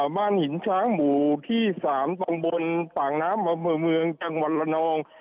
บ้านหินช้างหมู่ที่๓ตำบลปากน้ำอำเภอเมืองจังหวัดละนอง